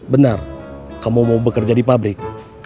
benar kamu mau bekerja di pabrik